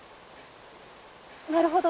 なるほど！